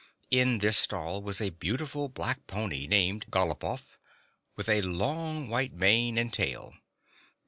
In this stall was a beautiful black pony, named Galopoff, with a long white mane and tail.